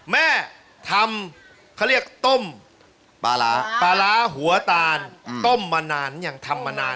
แม่ทำเขาเรียกต้มปลาร้าปลาร้าหัวตาลต้มมานานยังทำมานาน